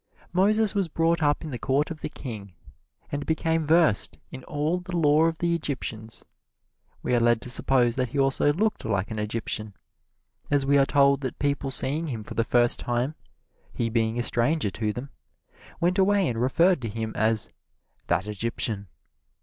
Moses was brought up in the court of the king, and became versed in all the lore of the Egyptians. We are led to suppose that he also looked like an Egyptian, as we are told that people seeing him for the first time, he being a stranger to them, went away and referred to him as "that Egyptian."